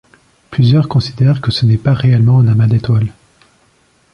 Plusieurs considèrent que ce n'est pas réellement un amas d'étoiles.